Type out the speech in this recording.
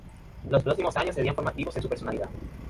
Los próximos años serían formativos en su personalidad.